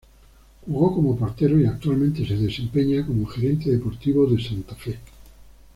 Jugó como portero y actualmente se desempeña como gerente deportivo de Santa Fe.